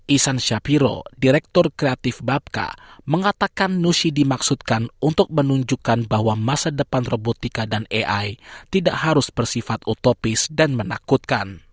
isan syapiro direktur kreatif babka mengatakan nushi dimaksudkan untuk menunjukkan bahwa masa depan robotika dan ai tidak harus bersifat otopis dan menakutkan